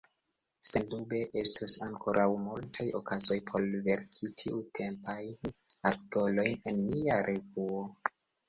Sendube estos ankoraŭ multaj okazoj por verki tiutemajn artikolojn en nia revuo.